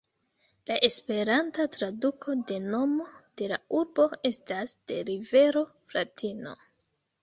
La esperanta traduko de nomo de la urbo estas "de rivero "Fratino".